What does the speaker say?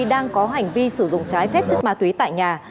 đang có hành vi sử dụng trái phép chất ma túy tại nhà